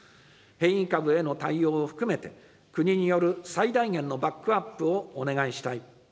変異株への対応も含めて、国による最大限のバックアップをお願いしたい。